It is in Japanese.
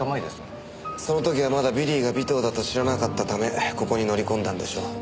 その時はまだビリーが尾藤だと知らなかったためここに乗り込んだんでしょう。